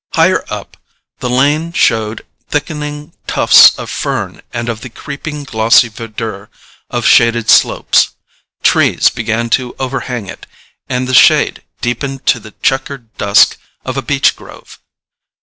Higher up, the lane showed thickening tufts of fern and of the creeping glossy verdure of shaded slopes; trees began to overhang it, and the shade deepened to the checkered dusk of a beech grove.